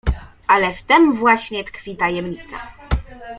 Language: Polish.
"Ale w tem właśnie tkwi tajemnica."